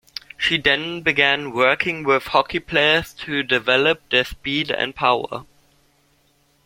She then began working with hockey players to develop their speed and power.